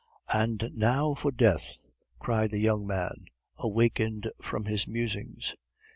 "And now for death!" cried the young man, awakened from his musings.